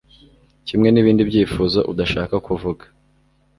kimwe nibindi byifuzo udashaka kuvuga